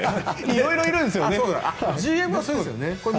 いろいろいるんですよね。